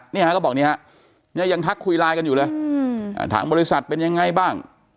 เนี่ยฮะก็บอกนี่ฮะเนี่ยยังทักคุยไลน์กันอยู่เลยทางบริษัทเป็นยังไงบ้าง